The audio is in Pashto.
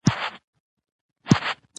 چې د لوستونکي او اورېدونکي